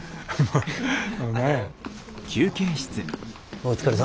お疲れさん。